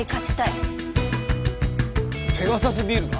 ペガサスビールが？